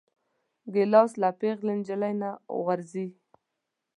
ګیلاس له پېغلې نجلۍ نه غورځي.